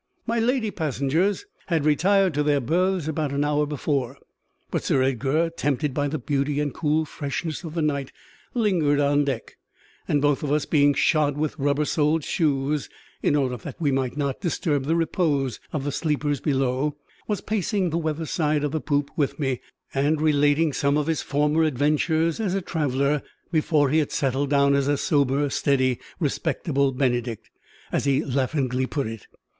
My lady passengers had retired to their berths about an hour before; but Sir Edgar, tempted by the beauty and cool freshness of the night, lingered on deck, and both of us being shod with rubber soled shoes in order that we might not disturb the repose of the sleepers below was pacing the weather side of the poop with me, and relating some of his former adventures as a traveller, before he had settled down as a sober, steady, respectable Benedict as he laughingly put it.